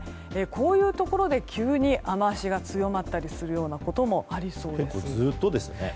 こういうところで、急に雨脚が強まったりすることも結構ずっとですね。